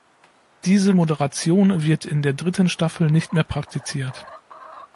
Diese Moderation wird in der dritten Staffel nicht mehr praktiziert.